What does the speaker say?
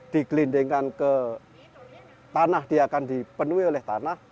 di gelindingkan ke tanah dia akan dipenuhi oleh tanah